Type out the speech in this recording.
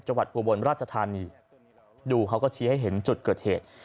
อุบลราชธานีดูเขาก็ชี้ให้เห็นจุดเกิดเหตุ